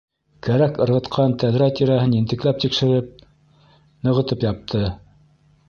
Кәрәк ырғытҡан тәҙрә тирәһен ентекләп тикшереп, нығытып япты.